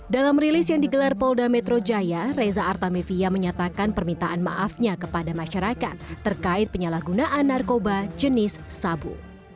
dalam rilis yang digelar polda metro jaya reza artamevia menyatakan permintaan maafnya kepada masyarakat terkait penyalahgunaan narkoba jenis sabu